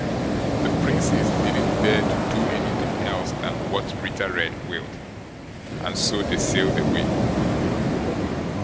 The Princes didn't dare to do anything else than what Ritter Red willed, and so they sailed away.